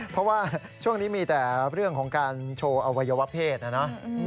เพราะว่าช่วงนี้มีแต่เรื่องของการโชว์อวัยวะเพศนะนะ